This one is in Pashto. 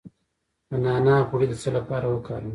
د نعناع غوړي د څه لپاره وکاروم؟